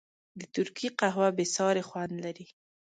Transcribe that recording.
د ترکي قهوه بېساری خوند لري.